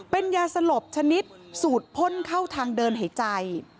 เป็นยาสลบชนิดสูตรพ่นเข้าทางเดินหายใจ